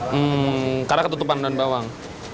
hmm karena ketutupan dan bawang